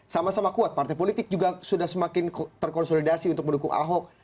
sama sama kuat partai politik juga sudah semakin terkonsolidasi untuk mendukung ahok